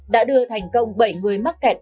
đã đưa thành công bảy người mắc kẹt